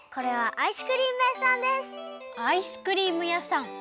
アイスクリーム屋さん。